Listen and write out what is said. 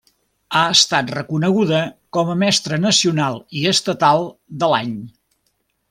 Ha estat reconeguda com a Mestra Nacional i estatal de l'Any.